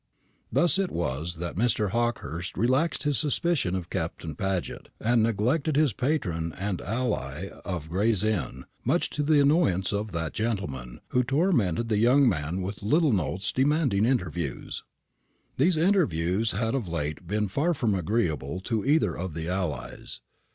Thus it was that Mr. Hawkehurst relaxed his suspicion of Captain Paget, and neglected his patron and ally of Gray's Inn, much to the annoyance of that gentleman, who tormented the young man with little notes demanding interviews. These interviews had of late been far from agreeable to either of the allies.